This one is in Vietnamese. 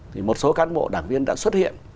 các cán bộ đảng viên đã xuất hiện